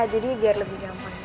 jadi biar lebih gampang itu